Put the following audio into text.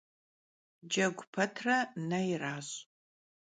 Cegu petre ne yiraş'.